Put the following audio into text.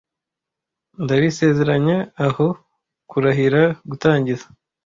Ndabisezeranya aho kurahira gutangiza